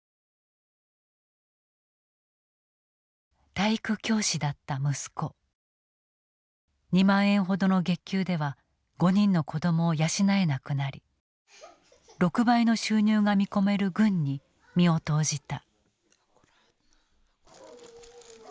体育教師だった息子２万円ほどの月給では５人の子供を養えなくなり６倍の収入が見込める軍に身を投じた。